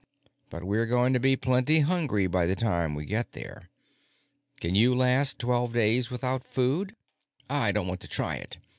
But we're going to be plenty hungry by the time we get there. Can you last twelve days without food?" "I don't want to try it.